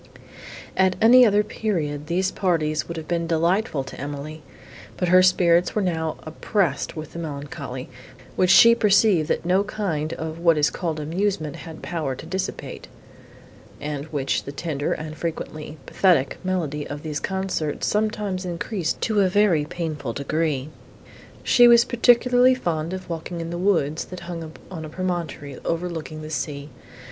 At any other period, these parties would have been delightful to Emily; but her spirits were now oppressed with a melancholy, which she perceived that no kind of what is called amusement had power to dissipate, and which the tender and, frequently, pathetic, melody of these concerts sometimes increased to a very painful degree. She was particularly fond of walking in the woods, that hung on a promontory, overlooking the sea.